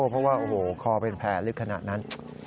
เพราะว่าโอ้โหคอเป็นแผลลึกขนาดนั้น